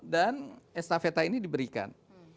dan estafeta ini diberikan